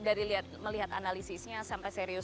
dari melihat analisisnya sampai serius